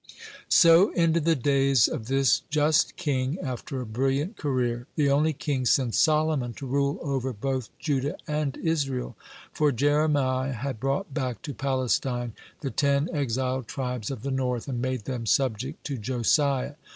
(119) So ended the days of this just king after a brilliant career, the only king since Solomon to rule over both Judah and Israel, for Jeremiah had brought back to Palestine the ten exiled tribes of the north, and made them subject to Josiah.